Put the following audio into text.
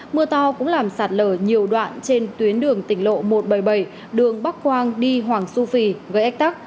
mưa to cũng làm sạt lở nhiều đoạn trên tuyến đường tỉnh lộ một trăm bảy mươi bảy đường bắc quang đi hoàng su phi gây ách tắc